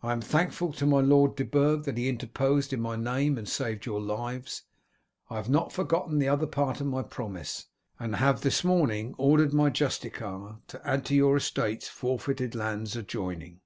I am thankful to my Lord de Burg that he interposed in my name and saved your lives. I have not forgotten the other part of my promise, and have this morning ordered my justiciar to add to your estates forfeited lands adjoining."